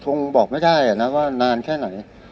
คงบอกไม่ได้นะว่านานแค่ไหน